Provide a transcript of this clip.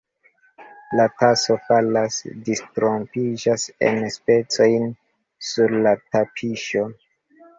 La taso falas, disrompiĝas en pecojn sur la tapiŝo.